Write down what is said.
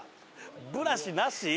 ブラシなし？